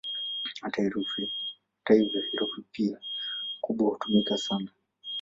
Hata hivyo, herufi "P" kubwa hutumika sana.